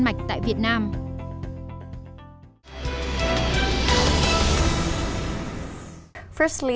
khó khăn nhất